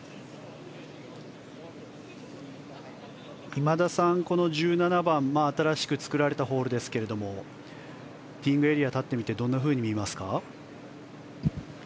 今田さん、この１７番新しく作られたホールですがティーイングエリアに立ってみてどう見えますか。